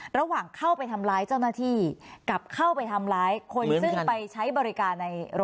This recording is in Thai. ระหว่างเข้าไปทำร้ายเจ้าหน้าที่กับเข้าไปทำร้ายคนซึ่งไปใช้บริการในรถ